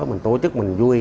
mình tổ chức mình vui